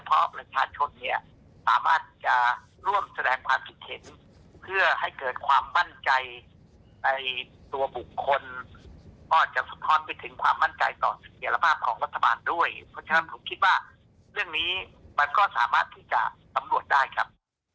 เพราะฉะนั้นผมคิดว่าเรื่องนี้มันก็สามารถที่จะอำรวจได้ครับ